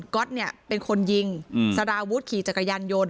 อตเนี่ยเป็นคนยิงสารวุฒิขี่จักรยานยนต์